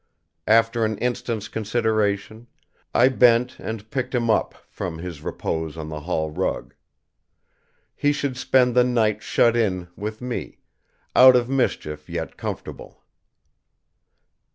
After an instant's consideration, I bent and picked him up from his repose on the hall rug. He should spend the night shut in with me, out of mischief yet comfortable.